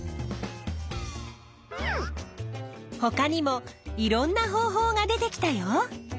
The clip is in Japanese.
ほかにもいろんな方法が出てきたよ！